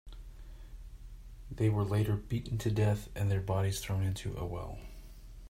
They were later beaten to death and their bodies thrown into a well.